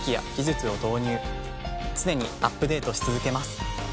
常にアップデートし続けます。